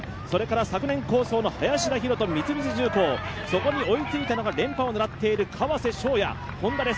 昨年好走の林田洋翔、三菱重工そこに追いついたのが連覇を狙っている、川瀬翔矢、Ｈｏｎｄａです。